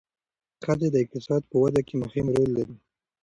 ښځې د اقتصاد په وده کې مهم رول لري.